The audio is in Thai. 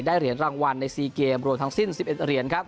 เหรียญรางวัลใน๔เกมรวมทั้งสิ้น๑๑เหรียญครับ